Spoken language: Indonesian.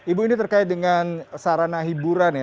ibu ini terkait dengan sarana hiburan ya